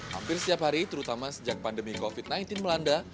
hampir setiap hari terutama sejak pandemi covid sembilan belas melanda